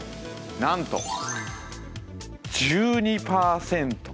なんと１２％。